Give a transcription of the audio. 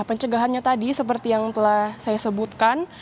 pencegahannya tadi seperti yang telah saya sebutkan